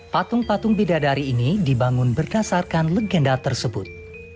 patung patung bidadari ini dibangun berdasarkan legenda tersebut